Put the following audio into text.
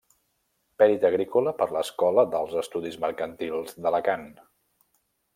Pèrit agrícola per l'Escola d'Alts Estudis Mercantils d'Alacant.